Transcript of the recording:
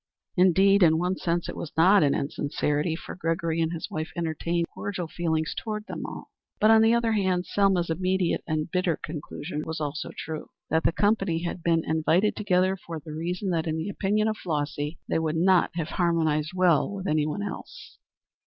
Indeed, in one sense it was not an insincerity, for Gregory and his wife entertained cordial feelings toward them all. But on the other hand, Selma's immediate and bitter conclusion was also true, that the company had been invited together for the reason that, in the opinion of Flossy, they would not have harmonized well with anyone else.